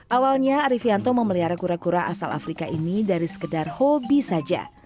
awalnya arifianto memelihara kura kura asal afrika ini dari sekedar hobi saja